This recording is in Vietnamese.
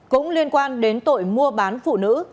cũng liên quan đến tội mua bán phụ nữ